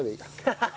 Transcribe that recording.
ハハハハ！